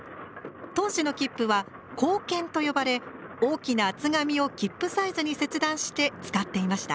当時の切符は「硬券」と呼ばれ大きな厚紙を切符サイズに切断して使っていました。